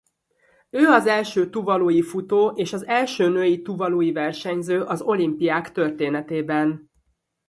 Ő az első tuvalui futó és az első női tuvalui versenyző az olimpiák történetében.